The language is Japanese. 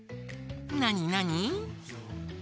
なになに？